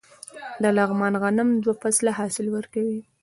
د لغمان غنم دوه فصله حاصل ورکوي.